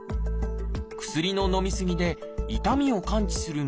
薬ののみ過ぎで痛みを感知する脳の部分が変化。